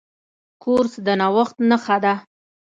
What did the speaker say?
کورس د نوښت نښه ده.